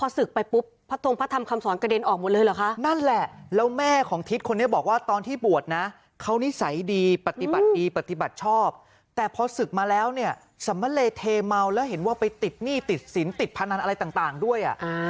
สำมันเลยเทเม่าแล้วเห็นว่าไปติดหนี้ติดศีลติดพรรณอะไรต่างด้วย